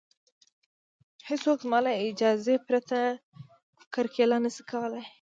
هېڅوک زما له اجازې پرته کرکیله نشي کولی